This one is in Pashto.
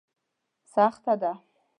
سخته ده.